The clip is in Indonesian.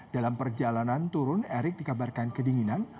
dalam perjalanan turun erick dikabarkan kedinginan